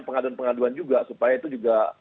pengaduan pengaduan juga supaya itu juga